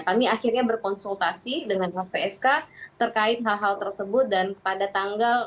kami akhirnya berkonsultasi dengan lpsk terkait hal hal tersebut dan pada tanggal